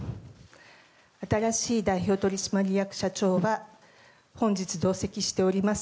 新しい代表取締役社長は本日同席しております